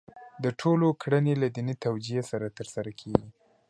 د ټولو کړنې له دیني توجیه سره ترسره کېږي.